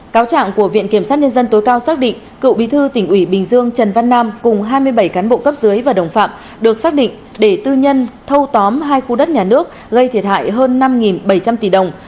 cáo trạng của viện kiểm sát nhân dân tối cao xác định cựu bí thư tỉnh ủy bình dương trần văn nam cùng hai mươi bảy cán bộ cấp dưới và đồng phạm được xác định để tư nhân thâu tóm hai khu đất nhà nước gây thiệt hại hơn năm bảy trăm linh tỷ đồng